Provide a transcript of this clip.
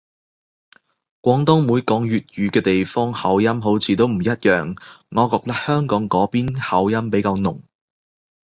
廣東每講粵語嘅地方口音好似都唔一樣，我覺得香港嗰邊口音比較濃